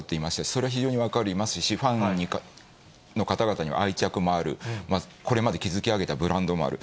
それは非常に分かりますし、ファンの方々には愛着もある、これまで築き上げたブランドもある。